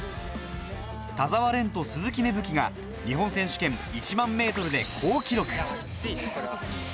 田澤廉と鈴木芽吹が日本選手権１００００ｍで好記録。